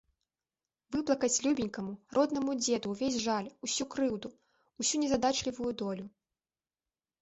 Выплакаць любенькаму, роднаму дзеду ўвесь жаль, усю крыўду, усю незадачлівую долю.